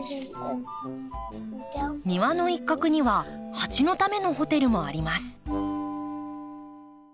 庭の一角にはハチのためのホテルもあります。